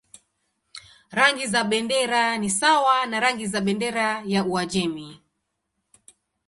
Rangi za bendera ni sawa na rangi za bendera ya Uajemi.